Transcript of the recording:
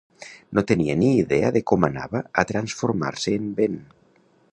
No tenia ni idea de com anava a transformar-se en vent.